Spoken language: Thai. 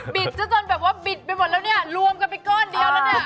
เขินบิจเจ๋จนบิจไปหมดแล้วเรียดรวมกันเป็นเกินเดียวแล้วเนี่ย